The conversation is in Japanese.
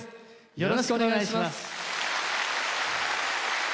よろしくお願いします。